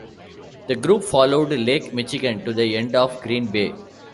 The group followed Lake Michigan to the end of Green Bay.